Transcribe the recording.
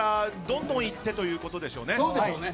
どんどんいってということでしょうね。